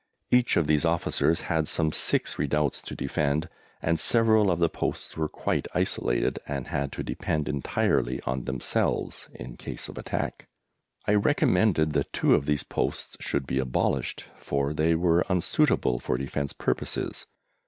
Each of these officers had some six redoubts to defend, and several of the posts were quite isolated and had to depend entirely on themselves in case of attack. I recommended that two of these posts should be abolished, for they were unsuitable for defence purposes.